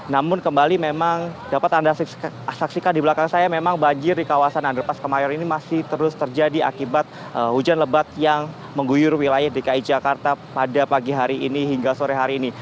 namun kembali memang dapat anda saksikan di belakang saya memang banjir di kawasan underpass kemayoran ini masih terus terjadi akibat hujan lebat yang mengguyur wilayah dki jakarta pada pagi hari ini hingga sore hari ini